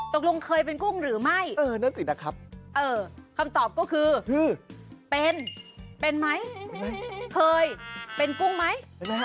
ตกลงเคยเป็นกุ้งหรือไม่เออนั่นสินะครับเออคำตอบก็คือเป็นเป็นไหมเคยเป็นกุ้งไหมฮะ